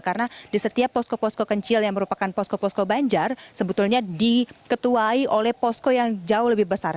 karena di setiap posko posko kecil yang merupakan posko posko banjar sebetulnya diketuai oleh posko yang jauh lebih besar